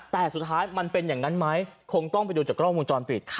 แต่สุดท้ายมันเป็นอย่างนั้นไหมคงต้องไปดูจากกล้องวงจรปิด